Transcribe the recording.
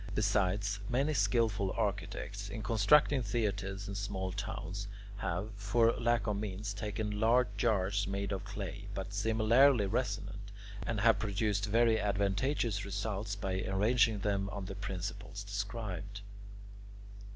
Besides, many skilful architects, in constructing theatres in small towns, have, for lack of means, taken large jars made of clay, but similarly resonant, and have produced very advantageous results by arranging them on the principles described.